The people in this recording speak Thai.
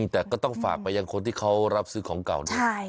แต่ก็ต้องฝากไปยังคนที่เขารับซื้อของเก่าด้วย